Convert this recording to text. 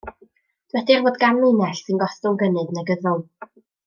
Dywedir fod gan linell sy'n gostwng gynnydd negyddol.